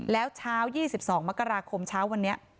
แล้วเช้า๒๒มกราคมเช้าวันนี้